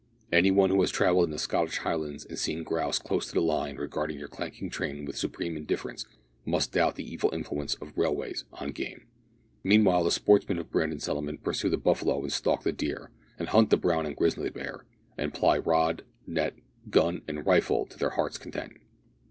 Any one who has travelled in the Scottish Highlands and seen grouse close to the line regarding your clanking train with supreme indifference, must doubt the evil influence of railways on game. Meanwhile, the sportsmen of Brandon Settlement pursue the buffalo and stalk the deer, and hunt the brown and the grizzly bear, and ply rod, net, gun, and rifle, to their hearts' content.